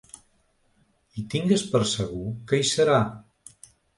I tingues per segur que hi serà !